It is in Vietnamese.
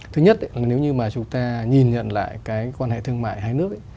thứ nhất nếu như chúng ta nhìn nhận lại quan hệ thương mại hai nước